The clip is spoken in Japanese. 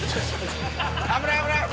危ない危ない。